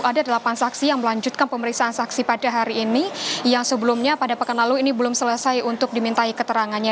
ada delapan saksi yang melanjutkan pemeriksaan saksi pada hari ini yang sebelumnya pada pekan lalu ini belum selesai untuk dimintai keterangannya